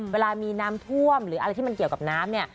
เวลามีน้ำท่วมหรืออะไรที่มันเกี่ยวกับน้ำเนี่ย